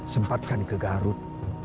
sempatkan ke garut